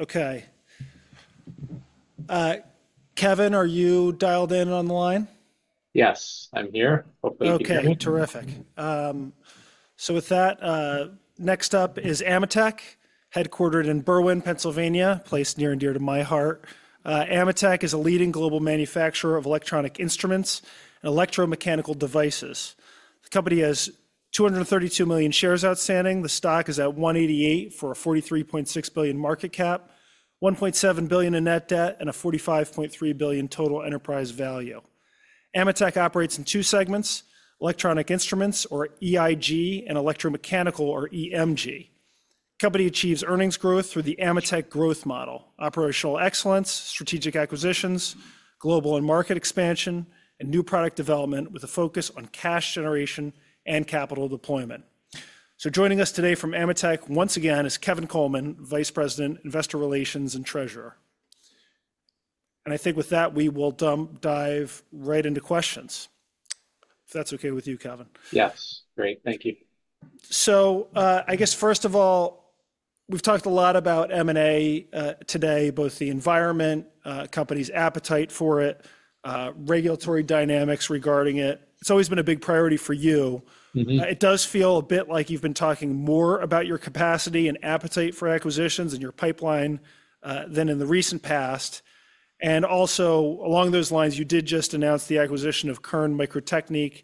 Okay. Kelvin, are you dialed in on the line? Yes, I'm here. Hopefully, you can hear me. Okay, terrific. So with that, next up is AMETEK, headquartered in Berwyn, Pennsylvania, a place near and dear to my heart. AMETEK is a leading global manufacturer of electronic instruments and electromechanical devices. The company has 232 million shares outstanding. The stock is at $188 for a $43.6 billion market cap, $1.7 billion in net debt, and a $45.3 billion total enterprise value. AMETEK operates in two segments: Electronic Instruments, or EIG, and Electromechanical, or EMG. The company achieves earnings growth through the AMETEK Growth Model: operational excellence, strategic acquisitions, global and market expansion, and new product development with a focus on cash generation and capital deployment. So joining us today from AMETEK, once again, is Kevin Coleman, Vice President, Investor Relations and Treasurer. And I think with that, we will dive right into questions, if that's okay with you, Kevin. Yes. Great. Thank you. So I guess, first of all, we've talked a lot about M&A today, both the environment, the company's appetite for it, and regulatory dynamics regarding it. It's always been a big priority for you. It does feel a bit like you've been talking more about your capacity and appetite for acquisitions and your pipeline than in the recent past. And also, along those lines, you did just announce the acquisition of Kern Microtechnik.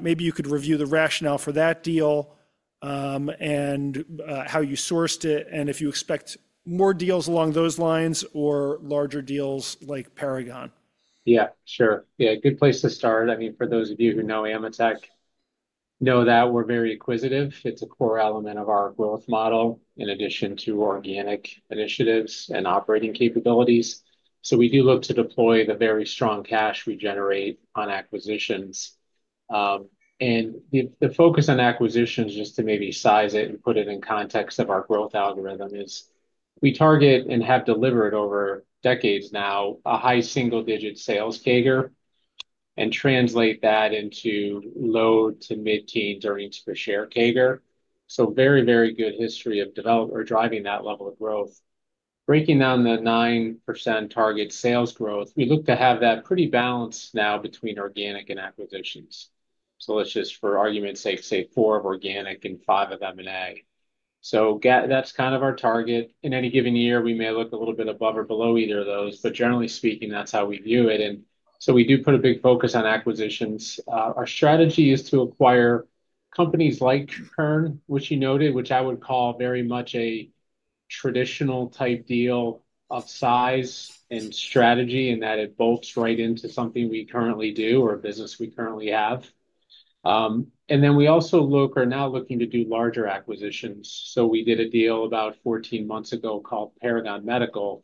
Maybe you could review the rationale for that deal and how you sourced it, and if you expect more deals along those lines or larger deals like Paragon. Yeah, sure. Yeah, good place to start. I mean, for those of you who know AMETEK, know that we're very acquisitive. It's a core element of our growth model, in addition to organic initiatives and operating capabilities. So we do look to deploy the very strong cash we generate on acquisitions, and the focus on acquisitions, just to maybe size it and put it in context of our growth algorithm, is we target and have delivered over decades now a high single-digit sales CAGR and translate that into low to mid-teens or into per-share CAGR, so very, very good history of driving that level of growth. Breaking down the 9% target sales growth, we look to have that pretty balanced now between organic and acquisitions, so let's just, for argument's sake, say four of organic and five of M&A, so that's kind of our target. In any given year, we may look a little bit above or below either of those, but generally speaking, that's how we view it, and so we do put a big focus on acquisitions. Our strategy is to acquire companies like Kern, which you noted, which I would call very much a traditional-type deal of size and strategy in that it bolts right into something we currently do or a business we currently have, and then we also look or are now looking to do larger acquisitions, so we did a deal about 14 months ago called Paragon Medical,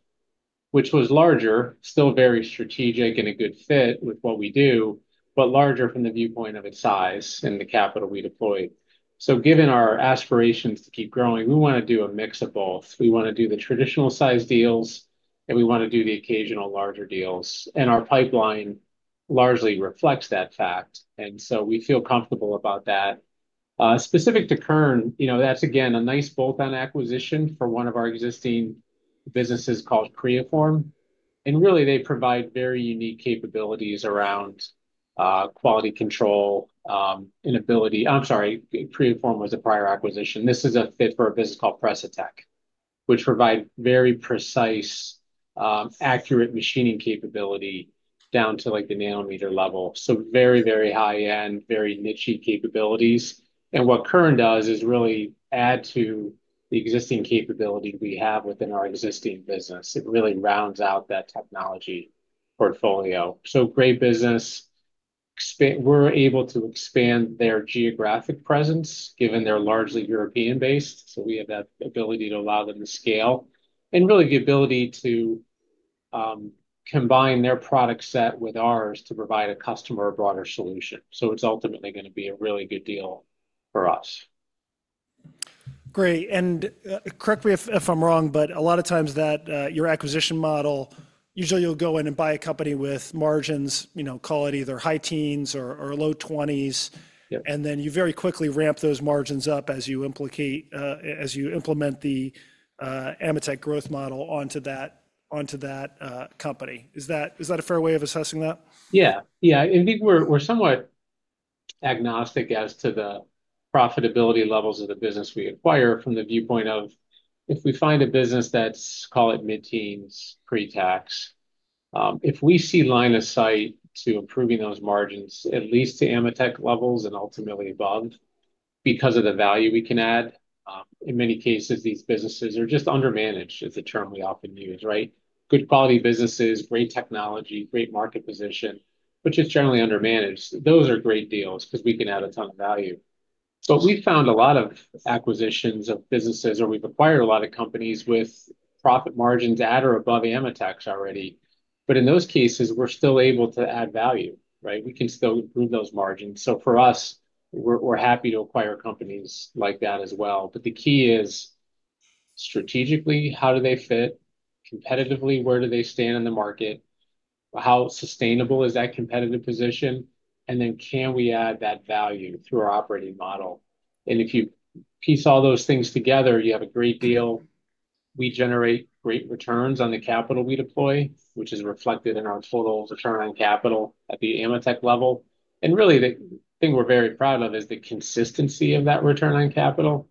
which was larger, still very strategic and a good fit with what we do, but larger from the viewpoint of its size and the capital we deployed, so given our aspirations to keep growing, we want to do a mix of both. We want to do the traditional-sized deals, and we want to do the occasional larger deals, and our pipeline largely reflects that fact, so we feel comfortable about that. Specific to Kern, that's, again, a nice bolt-on acquisition for one of our existing businesses called Creaform, and really, they provide very unique capabilities around quality control and metrology. I'm sorry, Creaform was a prior acquisition. This is a fit for a business called Precitech, which provides very precise, accurate machining capability down to the nanometer level, so very, very high-end, very niche capabilities, and what Kern does is really add to the existing capability we have within our existing business. It really rounds out that technology portfolio, so great business. We're able to expand their geographic presence, given they're largely European-based. So we have that ability to allow them to scale and really the ability to combine their product set with ours to provide a customer or broader solution. So it's ultimately going to be a really good deal for us. Great. And correct me if I'm wrong, but a lot of times that your acquisition model, usually you'll go in and buy a company with margins, call it either high teens or low twenties, and then you very quickly ramp those margins up as you implement the AMETEK Growth Model onto that company. Is that a fair way of assessing that? Yeah. Yeah. I think we're somewhat agnostic as to the profitability levels of the business we acquire from the viewpoint of if we find a business that's, call it mid-teens, pre-tax, if we see line of sight to improving those margins, at least to AMETEK levels and ultimately above, because of the value we can add. In many cases, these businesses are just undermanaged, is the term we often use, right? Good quality businesses, great technology, great market position, but just generally undermanaged. Those are great deals because we can add a ton of value. But we've found a lot of acquisitions of businesses, or we've acquired a lot of companies with profit margins at or above AMETEK already. But in those cases, we're still able to add value, right? We can still improve those margins. So for us, we're happy to acquire companies like that as well. But the key is strategically, how do they fit? Competitively, where do they stand in the market? How sustainable is that competitive position? And then can we add that value through our operating model? And if you piece all those things together, you have a great deal. We generate great returns on the capital we deploy, which is reflected in our total return on capital at the AMETEK level. And really, the thing we're very proud of is the consistency of that return on capital.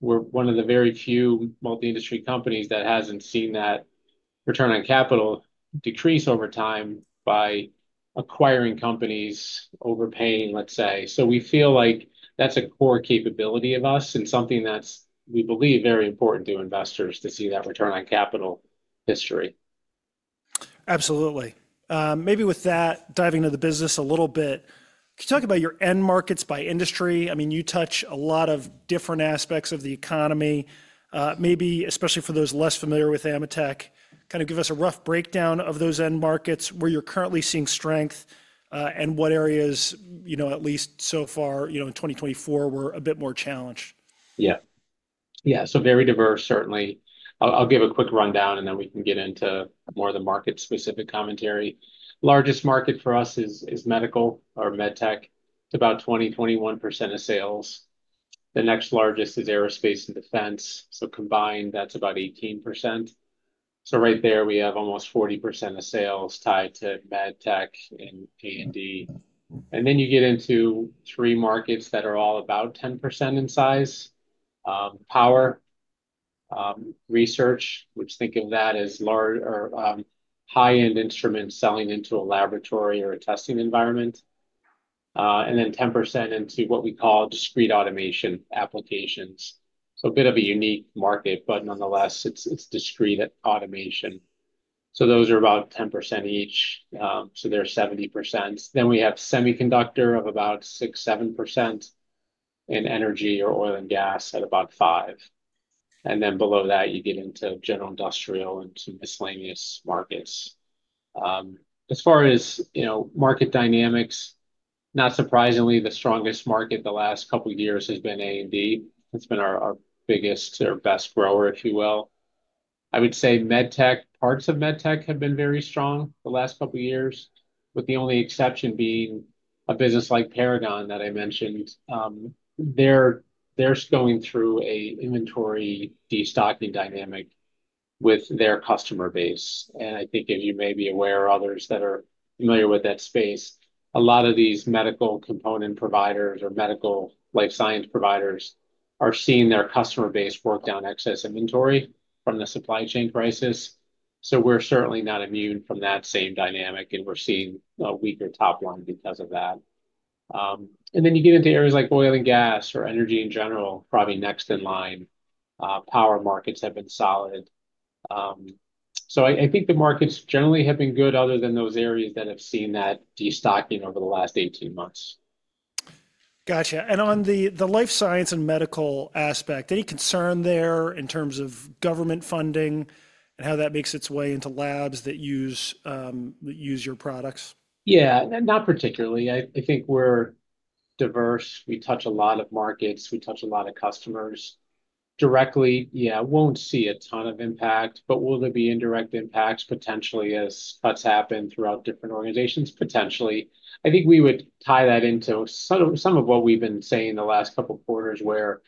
We're one of the very few multi-industry companies that hasn't seen that return on capital decrease over time by acquiring companies overpaying, let's say. So we feel like that's a core capability of us and something that we believe is very important to investors to see that return on capital history. Absolutely. Maybe with that, diving into the business a little bit, can you talk about your end markets by industry? I mean, you touch a lot of different aspects of the economy, maybe especially for those less familiar with AMETEK. Kind of give us a rough breakdown of those end markets, where you're currently seeing strength, and what areas, at least so far in 2024, were a bit more challenged? Yeah. Yeah. So very diverse, certainly. I'll give a quick rundown, and then we can get into more of the market-specific commentary. Largest market for us is medical or medtech. It's about 20%-21% of sales. The next largest is aerospace and defense. So combined, that's about 18%. So right there, we have almost 40% of sales tied to medtech and A&D. And then you get into three markets that are all about 10% in size: power, research, which think of that as high-end instruments selling into a laboratory or a testing environment, and then 10% into what we call discrete automation applications. So a bit of a unique market, but nonetheless, it's discrete automation. So those are about 10% each. So they're 70%. Then we have semiconductor of about 6%-7% and energy or oil and gas at about 5%. And then below that, you get into general industrial and some miscellaneous markets. As far as market dynamics, not surprisingly, the strongest market the last couple of years has been A&D. It's been our biggest or best grower, if you will. I would say medtech, parts of medtech have been very strong the last couple of years, with the only exception being a business like Paragon that I mentioned. They're going through an inventory destocking dynamic with their customer base. And I think, as you may be aware or others that are familiar with that space, a lot of these medical component providers or medical life science providers are seeing their customer base work down excess inventory from the supply chain crisis. So we're certainly not immune from that same dynamic, and we're seeing a weaker top line because of that. You get into areas like oil and gas or energy in general, probably next in line. Power markets have been solid. I think the markets generally have been good, other than those areas that have seen that destocking over the last 18 months. Gotcha, and on the life science and medical aspect, any concern there in terms of government funding and how that makes its way into labs that use your products? Yeah. Not particularly. I think we're diverse. We touch a lot of markets. We touch a lot of customers. Directly, yeah, I won't see a ton of impact, but will there be indirect impacts potentially as cuts happen throughout different organizations? Potentially. I think we would tie that into some of what we've been saying the last couple of quarters, where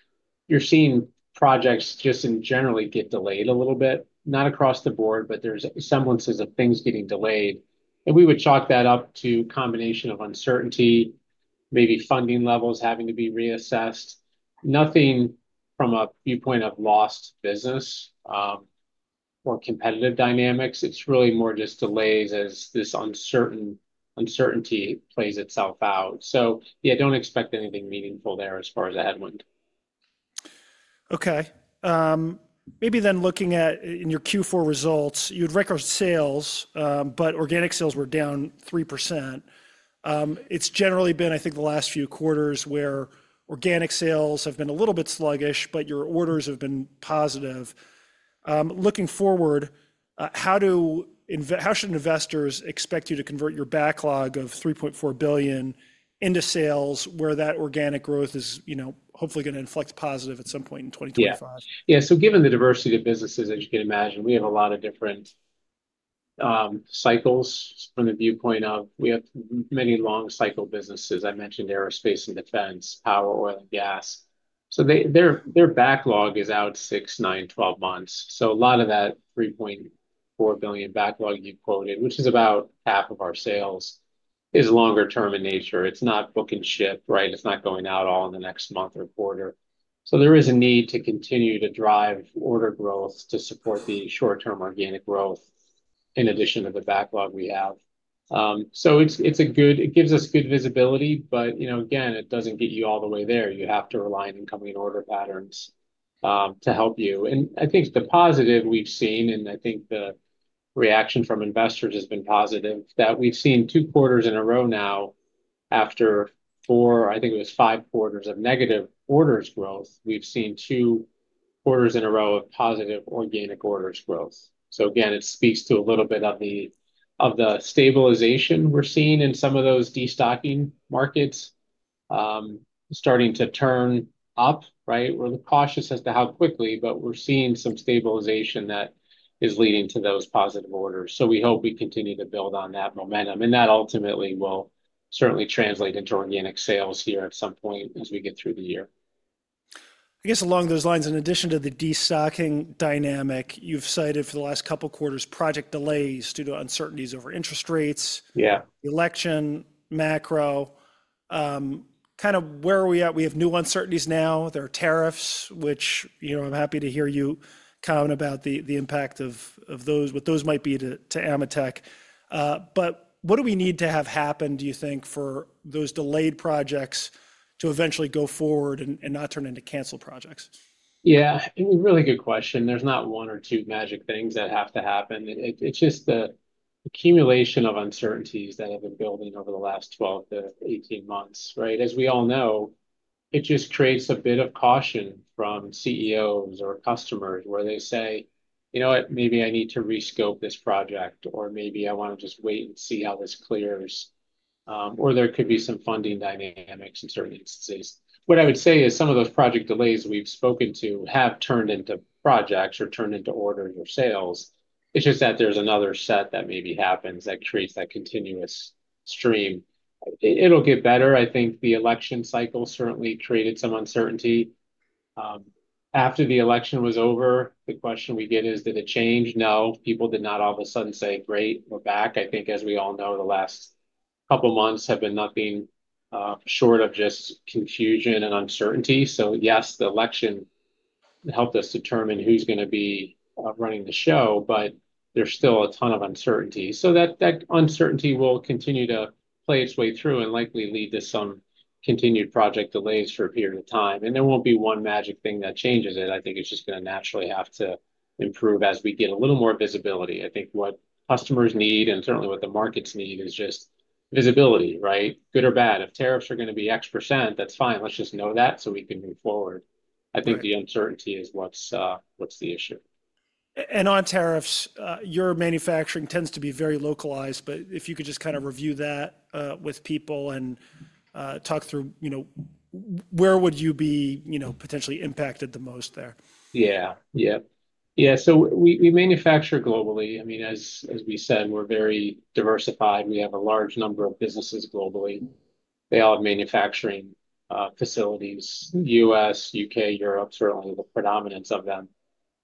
you're seeing projects just generally get delayed a little bit. Not across the board, but there's semblances of things getting delayed. And we would chalk that up to a combination of uncertainty, maybe funding levels having to be reassessed. Nothing from a viewpoint of lost business or competitive dynamics. It's really more just delays as this uncertainty plays itself out. So yeah, don't expect anything meaningful there as far as a headwind. Okay. Maybe then looking at in your Q4 results, you had record sales, but organic sales were down 3%. It's generally been, I think, the last few quarters where organic sales have been a little bit sluggish, but your orders have been positive. Looking forward, how should investors expect you to convert your backlog of $3.4 billion into sales where that organic growth is hopefully going to inflect positive at some point in 2025? Yeah. Yeah. So given the diversity of businesses, as you can imagine, we have a lot of different cycles from the viewpoint of we have many long-cycle businesses. I mentioned aerospace and defense, power, oil, and gas. So their backlog is out six, nine, 12 months. So a lot of that $3.4 billion backlog you quoted, which is about half of our sales, is longer-term in nature. It's not book and ship, right? It's not going out all in the next month or quarter. So there is a need to continue to drive order growth to support the short-term organic growth in addition to the backlog we have. So it's good. It gives us good visibility, but again, it doesn't get you all the way there. You have to rely on incoming order patterns to help you. And I think the positive we've seen, and I think the reaction from investors has been positive. That we've seen two quarters in a row now after four, I think it was five, quarters of negative orders growth. We've seen two quarters in a row of positive organic orders growth. So again, it speaks to a little bit of the stabilization we're seeing in some of those destocking markets starting to turn up, right? We're cautious as to how quickly, but we're seeing some stabilization that is leading to those positive orders. So we hope we continue to build on that momentum. And that ultimately will certainly translate into organic sales here at some point as we get through the year. I guess along those lines, in addition to the destocking dynamic, you've cited for the last couple of quarters project delays due to uncertainties over interest rates, the election, macro. Kind of where are we at? We have new uncertainties now. There are tariffs, which I'm happy to hear you comment about the impact of those, what those might be to AMETEK. But what do we need to have happen, do you think, for those delayed projects to eventually go forward and not turn into cancel projects? Yeah. Really good question. There's not one or two magic things that have to happen. It's just the accumulation of uncertainties that have been building over the last 12-18 months, right? As we all know, it just creates a bit of caution from CEOs or customers where they say, "You know what? Maybe I need to rescope this project," or, "Maybe I want to just wait and see how this clears," or there could be some funding dynamics in certain instances. What I would say is some of those project delays we've spoken to have turned into projects or turned into orders or sales. It's just that there's another set that maybe happens that creates that continuous stream. It'll get better. I think the election cycle certainly created some uncertainty. After the election was over, the question we get is, did it change? No. People did not all of a sudden say, "Great. We're back." I think, as we all know, the last couple of months have been nothing short of just confusion and uncertainty. So yes, the election helped us determine who's going to be running the show, but there's still a ton of uncertainty. So that uncertainty will continue to play its way through and likely lead to some continued project delays for a period of time. And there won't be one magic thing that changes it. I think it's just going to naturally have to improve as we get a little more visibility. I think what customers need and certainly what the markets need is just visibility, right? Good or bad. If tariffs are going to be X%, that's fine. Let's just know that so we can move forward. I think the uncertainty is what's the issue. And on tariffs, your manufacturing tends to be very localized, but if you could just kind of review that with people and talk through where would you be potentially impacted the most there? Yeah. Yeah. Yeah. So we manufacture globally. I mean, as we said, we're very diversified. We have a large number of businesses globally. They all have manufacturing facilities: U.S., U.K., Europe, certainly the predominance of them.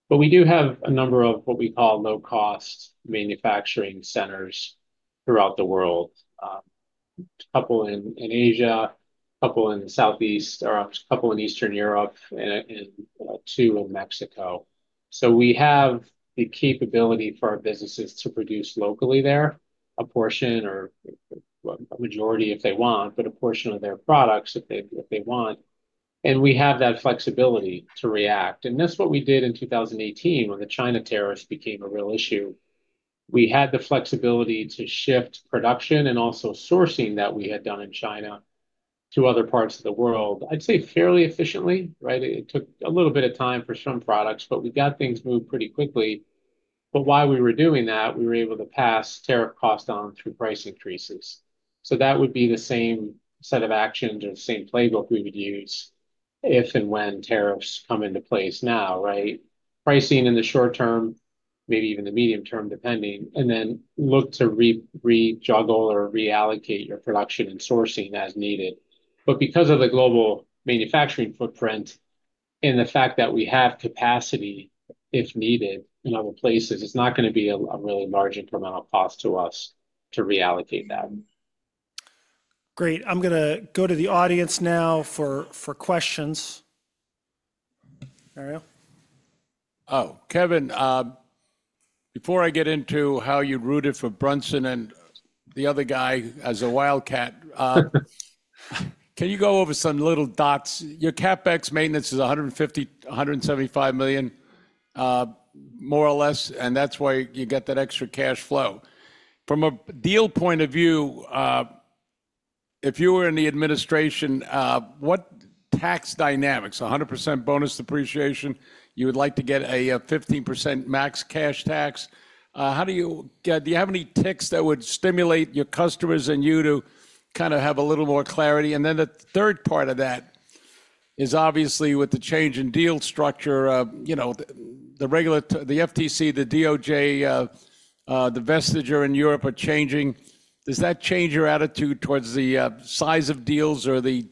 But we do have a number of what we call low-cost manufacturing centers throughout the world, a couple in Asia, a couple in the Southeast, a couple in Eastern Europe, and two in Mexico. So we have the capability for our businesses to produce locally there a portion or a majority if they want, but a portion of their products if they want. And we have that flexibility to react. And that's what we did in 2018 when the China tariffs became a real issue. We had the flexibility to shift production and also sourcing that we had done in China to other parts of the world, I'd say fairly efficiently, right? It took a little bit of time for some products, but we got things moved pretty quickly. But while we were doing that, we were able to pass tariff costs on through price increases. So that would be the same set of actions or the same playbook we would use if and when tariffs come into place now, right? Pricing in the short term, maybe even the medium term, depending, and then look to re-juggle or reallocate your production and sourcing as needed. But because of the global manufacturing footprint and the fact that we have capacity if needed in other places, it's not going to be a really large incremental cost to us to reallocate that. Great. I'm going to go to the audience now for questions. Mario? Oh, Kevin, before I get into how you rooted for Brunson and the other guy as a wildcat, can you go over some little dots? Your CapEx maintenance is $150 million-$175 million, more or less, and that's why you get that extra cash flow. From a deal point of view, if you were in the administration, what tax dynamics? 100% bonus depreciation, you would like to get a 15% max cash tax. How do you have any tricks that would stimulate your customers and you to kind of have a little more clarity? And then the third part of that is obviously with the change in deal structure, the FTC, the DOJ, the Vestager in Europe are changing. Does that change your attitude towards the size of deals or the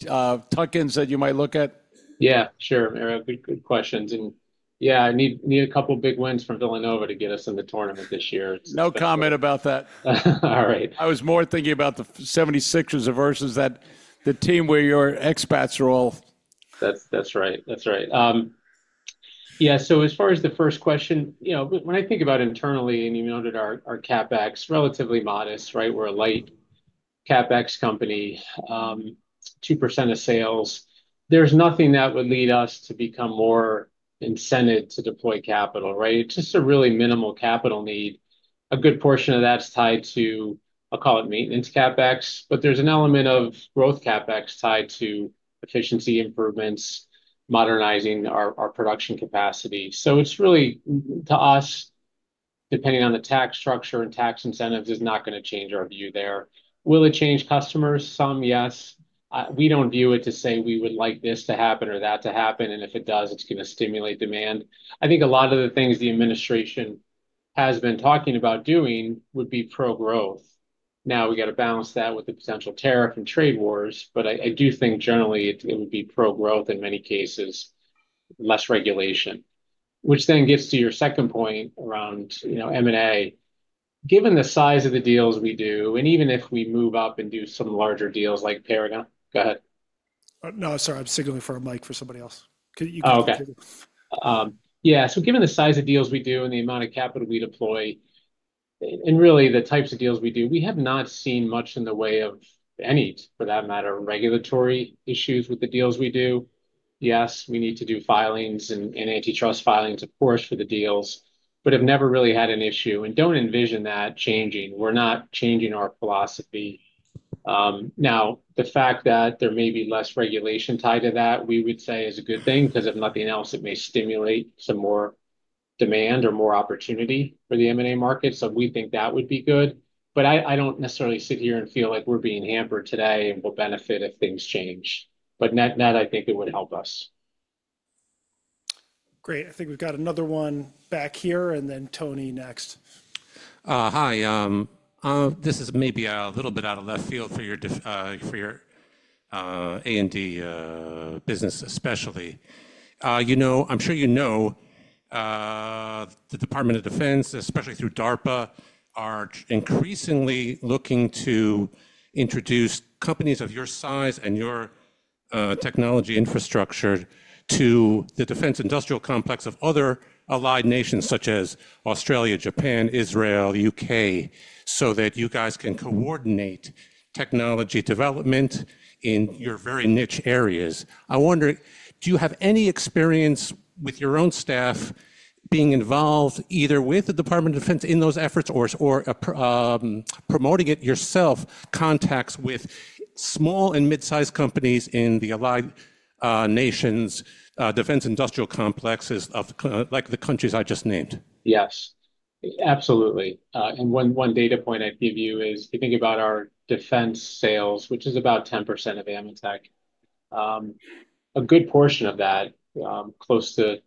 tuck-ins that you might look at? Yeah. Sure, Mario. Good questions, and yeah, I need a couple of big wins from Villanova to get us in the tournament this year. No comment about that. All right. I was more thinking about the 76ers versus the team where your expats are all. That's right. That's right. Yeah, so as far as the first question, when I think about internally, and you noted our CapEx, relatively modest, right? We're a light CapEx company, 2% of sales. There's nothing that would lead us to become more incented to deploy capital, right? It's just a really minimal capital need. A good portion of that's tied to, I'll call it maintenance CapEx, but there's an element of growth CapEx tied to efficiency improvements, modernizing our production capacity. So it's really, to us, depending on the tax structure and tax incentives, is not going to change our view there. Will it change customers? Some, yes. We don't view it to say we would like this to happen or that to happen, and if it does, it's going to stimulate demand. I think a lot of the things the administration has been talking about doing would be pro-growth. Now, we got to balance that with the potential tariff and trade wars. But I do think generally it would be pro-growth in many cases, less regulation, which then gets to your second point around M&A. Given the size of the deals we do, and even if we move up and do some larger deals like Paragon, go ahead. No, sorry. I'm signaling for a mic for somebody else. Okay. Yeah. So given the size of deals we do and the amount of capital we deploy and really the types of deals we do, we have not seen much in the way of any, for that matter, regulatory issues with the deals we do. Yes, we need to do filings and antitrust filings, of course, for the deals, but have never really had an issue and don't envision that changing. We're not changing our philosophy. Now, the fact that there may be less regulation tied to that, we would say is a good thing because if nothing else, it may stimulate some more demand or more opportunity for the M&A market. So we think that would be good. But I don't necessarily sit here and feel like we're being hampered today and we'll benefit if things change. But net, I think it would help us. Great. I think we've got another one back here, and then Tony next. Hi. This is maybe a little bit out of left field for your A&D business, especially. I'm sure you know the Department of Defense, especially through DARPA, are increasingly looking to introduce companies of your size and your technology infrastructure to the defense industrial complex of other allied nations, such as Australia, Japan, Israel, U.K., so that you guys can coordinate technology development in your very niche areas. I wonder, do you have any experience with your own staff being involved either with the Department of Defense in those efforts or promoting it yourself, contacts with small and mid-sized companies in the allied nations, defense industrial complexes like the countries I just named? Yes. Absolutely. And one data point I'd give you is if you think about our defense sales, which is about 10% of AMETEK, a good portion of that, close to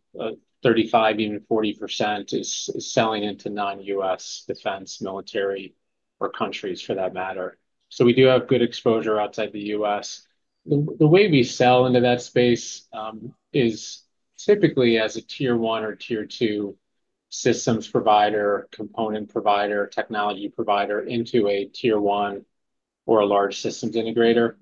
35%, even 40%, is selling into non-U.S. defense military or countries for that matter. So we do have good exposure outside the U.S. The way we sell into that space is typically as a tier one or tier two systems provider, component provider, technology provider into a tier one or a large systems integrator.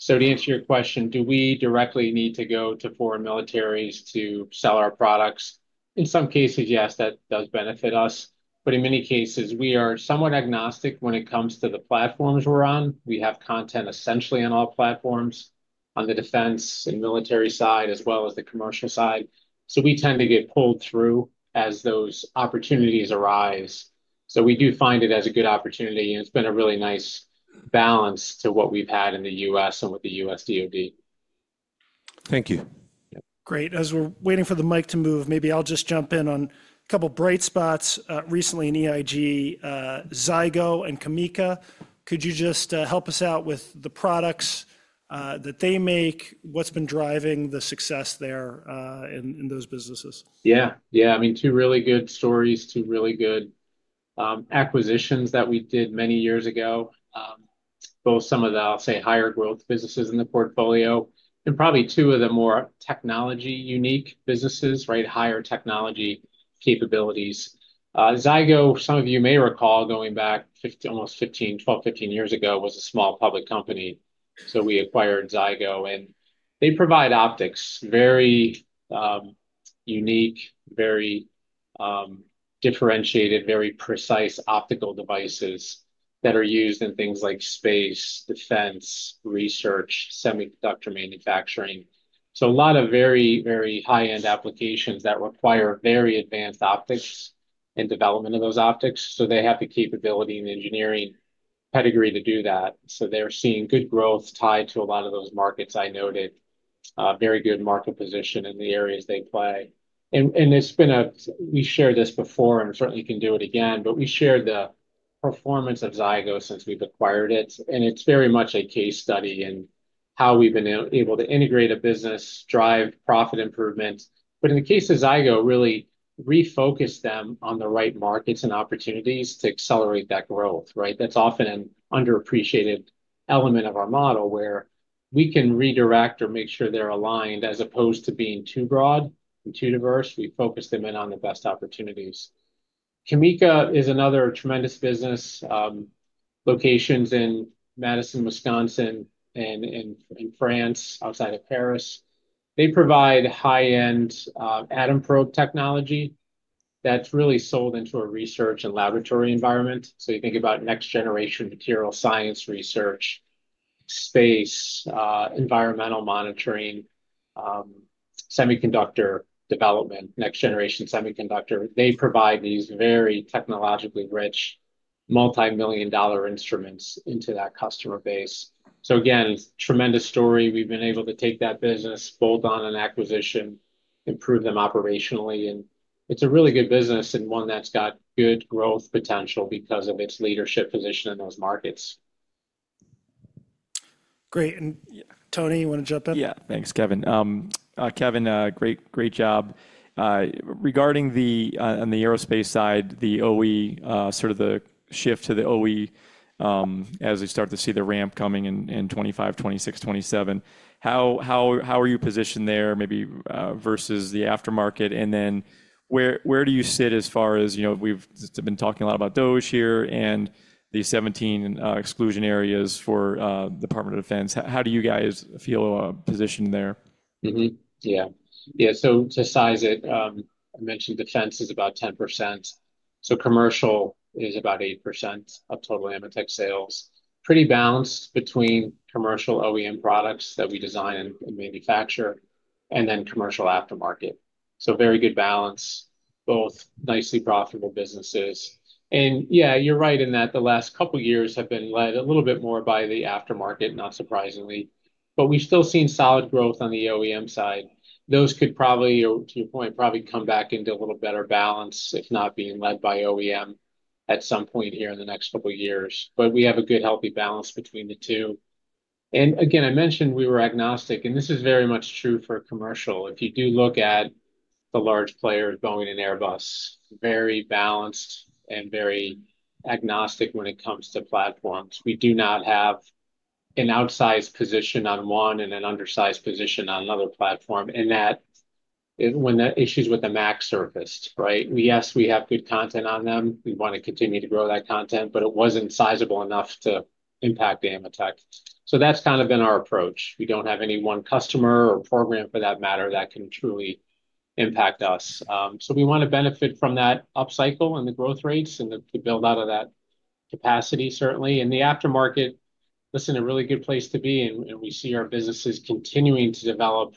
So to answer your question, do we directly need to go to foreign militaries to sell our products? In some cases, yes, that does benefit us. But in many cases, we are somewhat agnostic when it comes to the platforms we're on. We have content essentially on all platforms on the defense and military side as well as the commercial side. So we tend to get pulled through as those opportunities arise. So we do find it as a good opportunity, and it's been a really nice balance to what we've had in the U.S. and with the U.S. DOD. Thank you. Great. As we're waiting for the mic to move, maybe I'll just jump in on a couple of bright spots. Recently in EIG, ZYGO and CAMECA, could you just help us out with the products that they make? What's been driving the success there in those businesses? Yeah. Yeah. I mean, two really good stories, two really good acquisitions that we did many years ago, both some of the, I'll say, higher growth businesses in the portfolio and probably two of the more technology unique businesses, right? Higher technology capabilities. ZYGO, some of you may recall going back almost 15, 12, 15 years ago, was a small public company. So we acquired ZYGO, and they provide optics, very unique, very differentiated, very precise optical devices that are used in things like space, defense, research, semiconductor manufacturing. So a lot of very, very high-end applications that require very advanced optics and development of those optics. So they have the capability and engineering pedigree to do that. So they're seeing good growth tied to a lot of those markets. I noted very good market position in the areas they play. It's been. We shared this before and certainly can do it again, but we shared the performance of ZYGO since we've acquired it. It's very much a case study in how we've been able to integrate a business, drive profit improvement. In the case of ZYGO, really refocus them on the right markets and opportunities to accelerate that growth, right? That's often an underappreciated element of our model where we can redirect or make sure they're aligned as opposed to being too broad and too diverse. We focus them in on the best opportunities. CAMECA is another tremendous business, locations in Madison, Wisconsin, and in France outside of Paris. They provide high-end atom probe technology that's really sold into a research and laboratory environment. You think about next-generation material science research space, environmental monitoring, semiconductor development, next-generation semiconductor. They provide these very technologically rich, multi-million-dollar instruments into that customer base. So again, tremendous story. We've been able to take that business, bolt on an acquisition, improve them operationally, and it's a really good business and one that's got good growth potential because of its leadership position in those markets. Great. And Tony, you want to jump in? Yeah. Thanks, Kevin. Kevin, great job. Regarding the aerospace side, the OE, sort of the shift to the OE as we start to see the ramp coming in 2025, 2026, 2027, how are you positioned there maybe versus the aftermarket? And then where do you sit as far as we've been talking a lot about DOGE here and the 17 exclusion areas for the Department of Defense? How do you guys feel positioned there? Yeah. Yeah. So to size it, I mentioned defense is about 10%. So commercial is about 8% of total AMETEK sales. Pretty balanced between commercial OEM products that we design and manufacture and then commercial aftermarket. So very good balance, both nicely profitable businesses. And yeah, you're right in that the last couple of years have been led a little bit more by the aftermarket, not surprisingly, but we've still seen solid growth on the OEM side. Those could probably, to your point, come back into a little better balance, if not being led by OEM at some point here in the next couple of years. But we have a good healthy balance between the two. And again, I mentioned we were agnostic, and this is very much true for commercial. If you do look at the large players, Boeing and Airbus, very balanced and very agnostic when it comes to platforms. We do not have an outsized position on one and an undersized position on another platform in that when the issues with the MAX surfaced, right? Yes, we have good content on them. We want to continue to grow that content, but it wasn't sizable enough to impact AMETEK. So that's kind of been our approach. We don't have any one customer or program for that matter that can truly impact us. So we want to benefit from that upcycle and the growth rates and the build-out of that capacity, certainly, and the aftermarket, listen, a really good place to be, and we see our businesses continuing to develop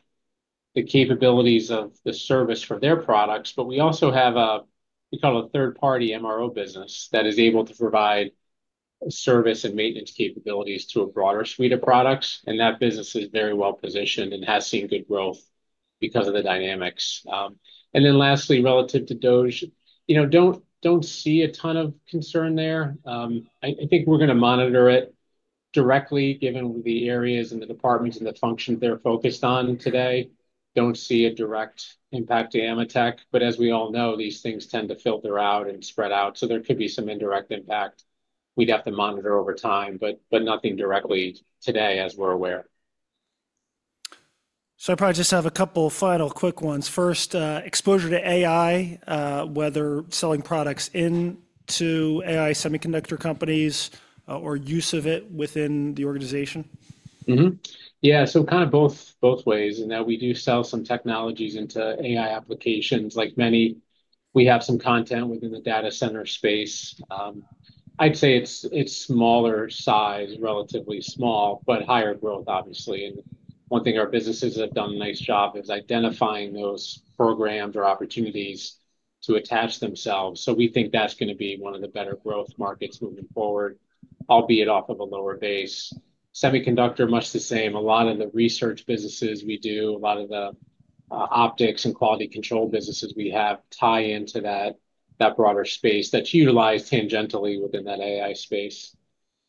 the capabilities of the service for their products. But we also have a, we call it a third-party MRO business that is able to provide service and maintenance capabilities to a broader suite of products. And that business is very well-positioned and has seen good growth because of the dynamics. And then lastly, relative to DOGE, don't see a ton of concern there. I think we're going to monitor it directly given the areas and the departments and the functions they're focused on today. Don't see a direct impact to AMETEK. But as we all know, these things tend to filter out and spread out. So there could be some indirect impact. We'd have to monitor over time, but nothing directly today as we're aware. So I probably just have a couple of final quick ones. First, exposure to AI, whether selling products into AI semiconductor companies or use of it within the organization? Yeah. So kind of both ways. And now we do sell some technologies into AI applications. Like many, we have some content within the data center space. I'd say it's smaller size, relatively small, but higher growth, obviously. And one thing our businesses have done a nice job is identifying those programs or opportunities to attach themselves. So we think that's going to be one of the better growth markets moving forward, albeit off of a lower base. Semiconductor, much the same. A lot of the research businesses we do, a lot of the optics and quality control businesses we have tie into that broader space that's utilized tangentially within that AI space.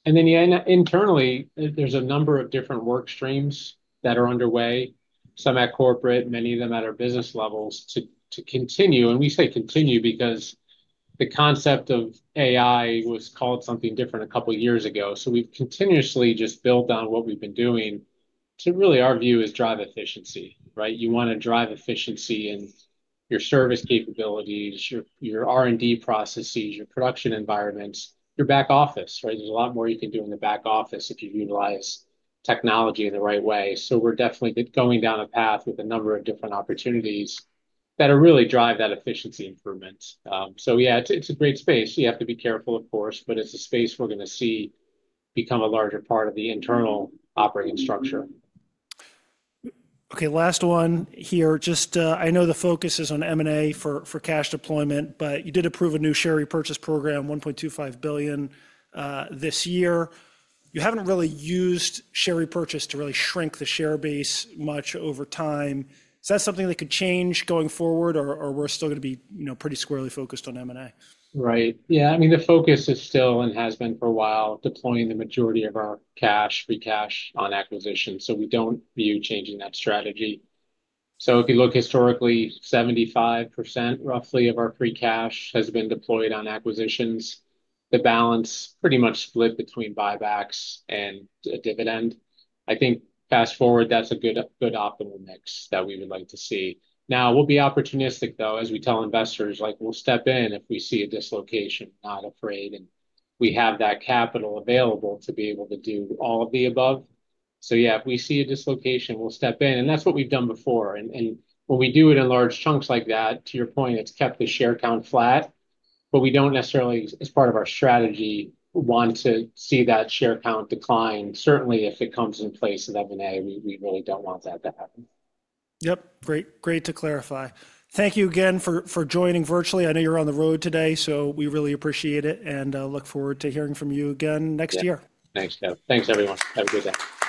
And then internally, there's a number of different work streams that are underway, some at corporate, many of them at our business levels to continue. And we say continue because the concept of AI was called something different a couple of years ago. So we've continuously just built on what we've been doing to really, our view is drive efficiency, right? You want to drive efficiency in your service capabilities, your R&D processes, your production environments, your back office, right? There's a lot more you can do in the back office if you utilize technology in the right way. So we're definitely going down a path with a number of different opportunities that are really driving that efficiency improvement. So yeah, it's a great space. You have to be careful, of course, but it's a space we're going to see become a larger part of the internal operating structure. Okay. Last one here. Just, I know the focus is on M&A for cash deployment, but you did approve a new share repurchase program, $1.25 billion this year. You haven't really used share repurchase to really shrink the share base much over time. Is that something that could change going forward, or we're still going to be pretty squarely focused on M&A? Right. Yeah. I mean, the focus is still and has been for a while deploying the majority of our cash, free cash on acquisition. So we don't view changing that strategy. So if you look historically, 75% roughly of our free cash has been deployed on acquisitions. The balance pretty much split between buybacks and a dividend. I think fast forward, that's a good optimal mix that we would like to see. Now, we'll be opportunistic, though, as we tell investors, like we'll step in if we see a dislocation, not afraid, and we have that capital available to be able to do all of the above. So yeah, if we see a dislocation, we'll step in, and that's what we've done before. And when we do it in large chunks like that, to your point, it's kept the share count flat, but we don't necessarily, as part of our strategy, want to see that share count decline. Certainly, if it comes in place of M&A, we really don't want that to happen. Yep. Great to clarify. Thank you again for joining virtually. I know you're on the road today, so we really appreciate it and look forward to hearing from you again next year. Thanks, Kev. Thanks, everyone. Have a good day.